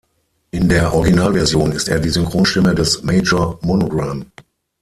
In der Originalversion ist er die Synchronstimme des "Major Monogram".